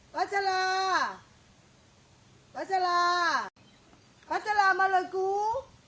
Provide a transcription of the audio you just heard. ปัชฌาปัชฌาปัชฌามาเลยกู